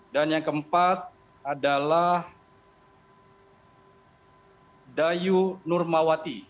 dan yang keempat adalah dayu nurmawati